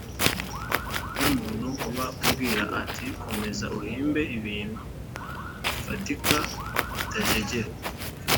ni we muntu uba umbwira ati: “komeza uhimbe ibintu bifatika bitajegera”